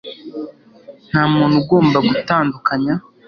nta muntu ugomba gutandukanya